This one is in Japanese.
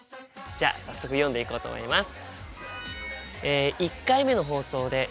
じゃあ早速読んでいこうと思います。